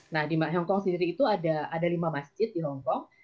nah di hongkong sendiri itu ada lima masjid di hongkong